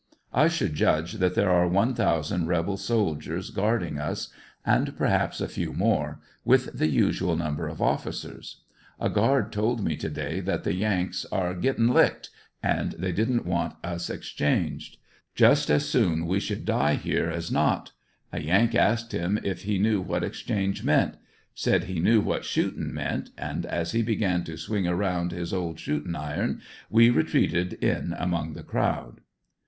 I should judge that there are one thousand rebel soldiers guardmg us, and perpaps a few more, with the usual number of officers. A guard told me to day that the yanks were " gittin licked," and they didn't want us exchanged; just as soon we should die here as not; a yank asked him if he knew^ what exchange meant; said he knew what shootin' meant, and as he began to swing around his old shooting iron we retreated in among the crowd.